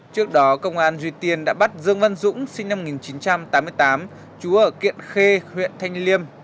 trước đó công an duy tiên đã bắt dương văn dũng sinh năm một nghìn chín trăm tám mươi tám chú ở kiện khê huyện thanh liêm